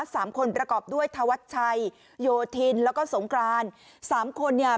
สามคนประกอบด้วยธวัชชัยโยธินแล้วก็สงกรานสามคนเนี่ย